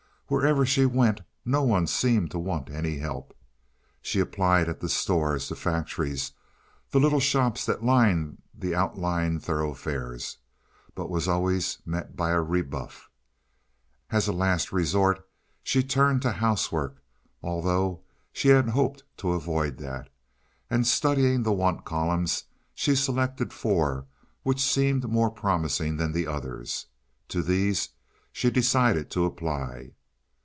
Wherever she went, no one seemed to want any help. She applied at the stores, the factories, the little shops that lined the outlying thoroughfares, but was always met by a rebuff. As a last resource she turned to housework, although she had hoped to avoid that; and, studying the want columns, she selected four which seemed more promising than the others. To these she decided to apply.